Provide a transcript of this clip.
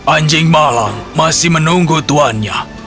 anjing malang masih menunggu tuannya